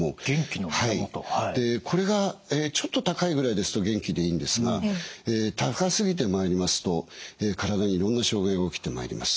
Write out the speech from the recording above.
これがちょっと高いぐらいですと元気でいいんですが高すぎてまいりますと体にいろんな障害が起きてまいります。